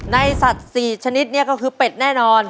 ในสัตว์สี่ชนิดนี้ก็คือเป็ดแน่นอน